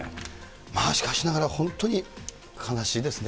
まあしかしながら、本当に悲しいですね。